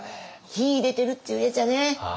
秀でてるっていうやっちゃね。